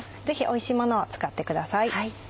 ぜひおいしいものを使ってください。